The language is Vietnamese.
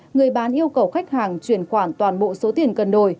người bán yêu cầu khách hàng chuyển khoản toàn bộ số tiền cần đổi